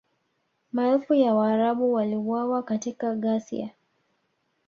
Maelfu ya Waarabu waliuawa katika ghasia